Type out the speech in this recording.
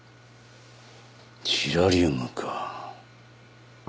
ジラリウムか。